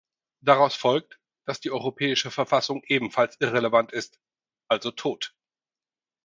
Daraus folgt, dass die europäische Verfassung ebenfalls irrelevant ist, also tot!